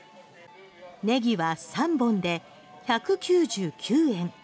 ネギは３本で１９９円。